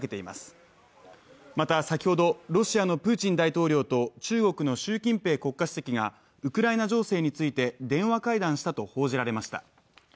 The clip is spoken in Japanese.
また先ほどロシアのプーチン大統領と中国の習近平国家主席がウクライナ情勢について電話会談したと報じられました。